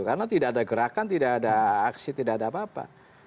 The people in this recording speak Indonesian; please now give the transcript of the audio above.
karena tidak ada gerakan tidak ada aksi tidak ada apa apa